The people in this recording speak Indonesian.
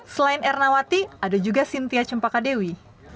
selain ernawati ada juga sintia cempakadewi